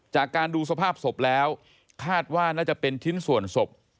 จากการดูสภาพศพแล้วคาดว่าน่าจะเป็นชิ้นส่วนศพ